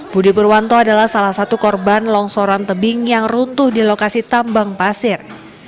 budi purwanto adalah salah satu korban longsoran tebing yang runtuh di lokasi tambang pasir